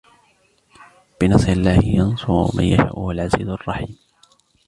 بنصر الله ينصر من يشاء وهو العزيز الرحيم